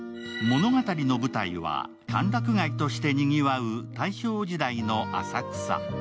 物語の舞台は歓楽街としてにぎわう大正時代の浅草。